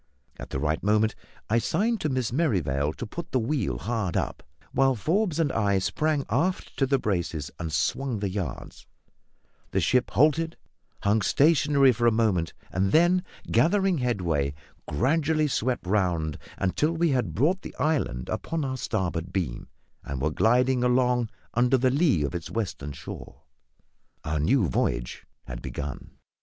At the right moment I signed to Miss Merrivale to put the wheel hard up, while Forbes and I sprang aft to the braces and swung the yards; the ship halted, hung stationary for a moment, and then, gathering headway, gradually swept round until we had brought the island upon our starboard beam and were gliding along under the lee of its western shore. Our new voyage had begun.